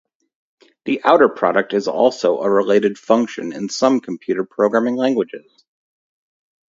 The outer product is also a related function in some computer programming languages.